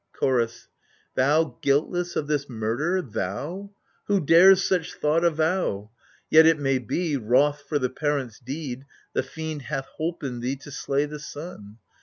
Chorus Thou guiltless of this murder, thou I Who dares such thought avow ? Yet it may be, wroth for the parent's deed, The fiend hath holpen thee to slay the son.